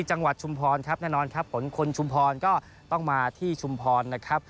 ชุมพรครับแน่นอนครับผลคนชุมพรก็ต้องมาที่ชุมพรนะครับ